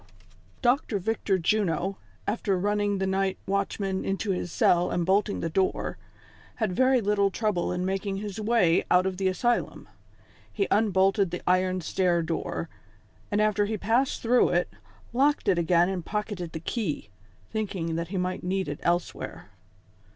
fOCTOE VICTOR JUNO, after running the night watchman into his cell and bolting the door, had very little trouble in making his way out of tlie asylum. He unbolted the iron stair door, and after he passed through it, locked it again and pocketed the key, thinking that he miglit need it elsewhere.